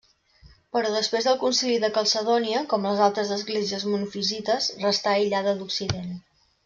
Però després del Concili de Calcedònia, com les altres esglésies monofisites, restà aïllada d'Occident.